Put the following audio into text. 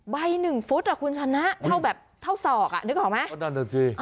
ใบหนึ่งฟุตหรอคุณชนะเท่าแบบเท่าศอกอ่ะนึกออกไหม